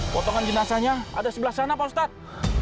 potongan jenazahnya ada sebelah sana pak ustadz